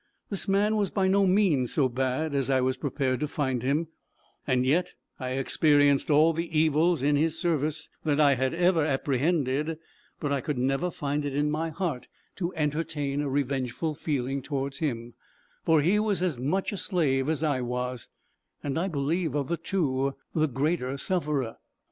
This man was by no means so bad as I was prepared to find him; and yet, I experienced all the evils in his service, that I had ever apprehended; but I could never find in my heart to entertain a revengeful feeling towards him, for he was as much a slave as I was; and I believe of the two, the greater sufferer.